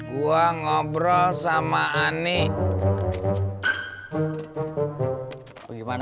gua ngobrol sama asyik pellet dan rada